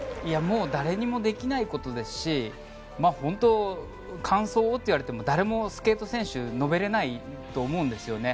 もう誰にもできないことですし本当に感想をと言われても誰もスケート選手述べれないと思うんです。